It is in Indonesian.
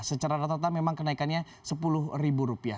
secara rata rata memang kenaikannya sepuluh ribu rupiah